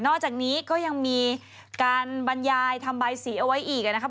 อกจากนี้ก็ยังมีการบรรยายทำใบสีเอาไว้อีกนะครับ